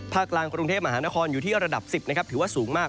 กลางกรุงเทพมหานครอยู่ที่ระดับ๑๐นะครับถือว่าสูงมาก